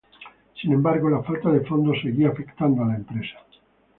Sin embargo, la falta de fondos seguía afectando a la empresa.